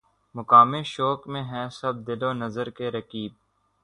مقام شوق میں ہیں سب دل و نظر کے رقیب